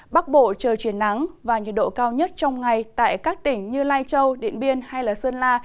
bắc bộ trời chuyển nắng và nhiệt độ cao nhất trong ngày tại các tỉnh như lai châu điện biên hay sơn la